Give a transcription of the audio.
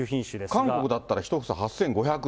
韓国だったら１房８５００円。